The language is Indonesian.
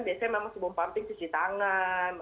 biasanya memang sebelum pumping cuci tangan